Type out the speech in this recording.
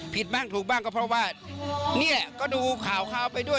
ผิดบ้างถูกบ้างก็เพราะว่านี่แหละก็ดูข่าวไปด้วย